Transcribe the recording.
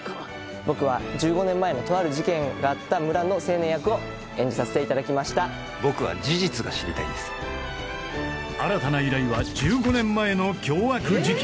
僕は１５年前のとある事件があった村の青年役を演じさせていただきました僕は事実が知りたいんです新たな依頼は１５年前の凶悪事件